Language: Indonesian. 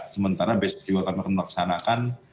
sementara besok juga akan kita melaksanakan